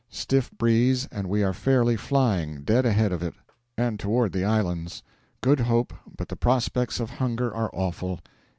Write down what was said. Stiff breeze, and we are fairly flying dead ahead of it and toward the islands. Good hope, but the prospects of hunger are awful.